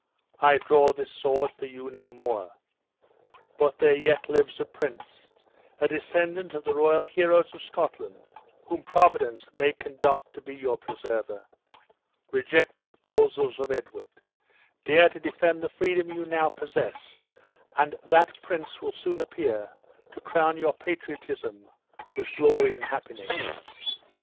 I draw this sword for you no more. But there yet lives a prince, a descendant of the royal heroes of Scotland, whom Providence may conduct to be your preserver. Reject the proposals of Edward, dare to defend the freedom you now possess, and that prince will soon appear to crown your patriotism with glory and happiness!"